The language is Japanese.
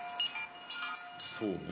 そうね。